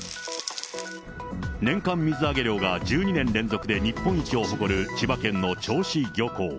年間水揚げ量が１２年連続で日本一を誇る千葉県の銚子漁港。